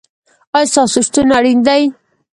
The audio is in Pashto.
ایا ستاسو شتون اړین دی؟